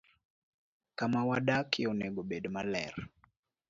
Kama wadakie onego obed maler.